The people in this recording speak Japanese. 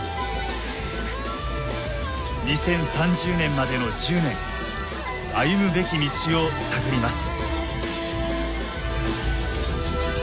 ２０３０年までの１０年歩むべき道を探ります。